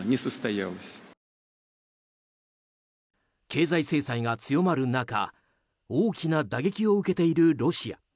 経済制裁が強まる中大きな打撃を受けているロシア。